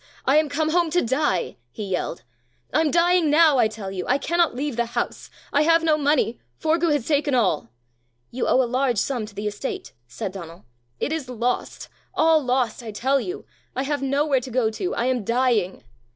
I am come home to die," he yelled. "I'm dying now, I tell you. I cannot leave the house! I have no money. Forgue has taken all." "You owe a large sum to the estate!" said Donal. "It is lost all lost, I tell you! I have nowhere to go to! I am dying!"